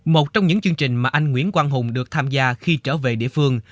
một trong những chương trình mà anh nguyễn quang hùng được tham gia khi trở về địa phương